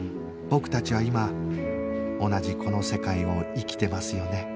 僕たちは今同じこの世界を生きてますよね？